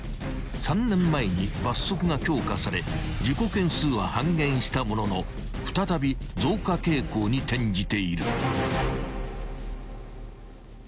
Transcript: ［３年前に罰則が強化され事故件数は半減したものの再び増加傾向に転じている］